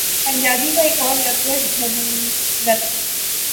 پنجابی کا ایک اور لفظ ہے، ' جھلت‘۔